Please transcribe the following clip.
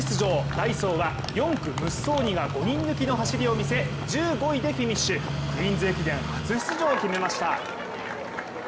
ダイソーは４区、ムッソーニが５人抜きの走りを見せクイーンズ駅伝初出場を決めました。